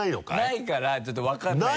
ないからちょっとわからないから。